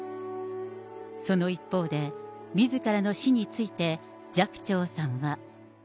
その一方で、みずからの死について、寂聴さんは。